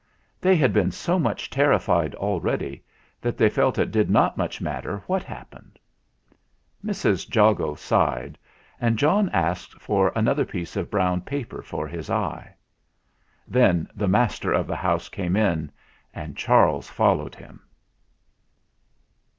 They had been so much terrified already that they felt it did not much matter what hap pened. Mrs. Jago sighed, and John asked for an other piece of brown paper for his eye. Then the master of the house came in, and Charles followed him.